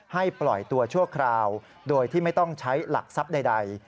ปล่อยตัวชั่วคราวโดยที่ไม่ต้องใช้หลักทรัพย์ใด